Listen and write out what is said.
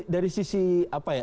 dari sisi apa ya